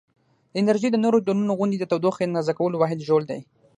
د انرژي د نورو ډولونو غوندې د تودوخې اندازه کولو واحد ژول دی.